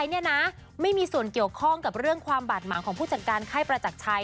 เนี่ยนะไม่มีส่วนเกี่ยวข้องกับเรื่องความบาดหมางของผู้จัดการไข้ประจักรชัย